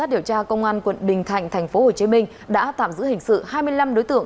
điều tra công an quận bình thạnh tp hcm đã tạm giữ hình sự hai mươi năm đối tượng